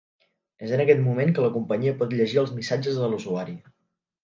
És en aquest moment que la companyia pot llegir els missatges de l’usuari.